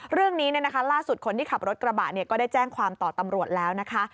เรื่องนี้ล่าสุดคนที่ขับรถกระบะก็ได้แจ้งความต่อตำรวจแล้วนะคะ